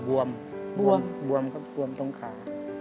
บวมครับบวมตรงขาตามพ่อครับบวมครับบวมตรงขา